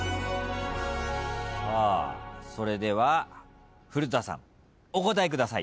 それでは古田さんお答えください。